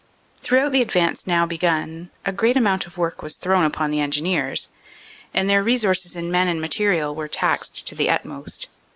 "Throughout the advance now begun a great amount of work was thrown upon the Engineers, and their resources in men and material were taxed to the utmost.